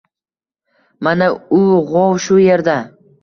Mana u – g‘ov – shu yerda!